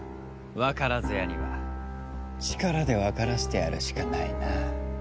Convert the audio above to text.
わからず屋には力でわからせてやるしかないな。